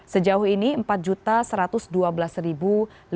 sejauh ini empat juta satu ratus dua belas ribu